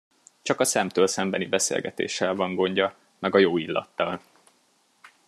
Csak a szemtől szembeni beszélgetéssel van gondja, meg a jó illattal.